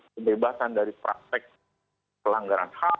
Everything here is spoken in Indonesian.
pembebasan dari praktek pelanggaran hak